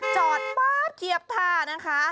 จอดป๊าบเทียบท่านะคะ